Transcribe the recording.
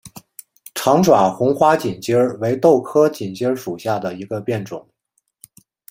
长爪红花锦鸡儿为豆科锦鸡儿属下的一个变种。